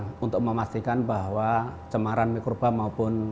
untuk memastikan bahwa cemaran mikroba maupun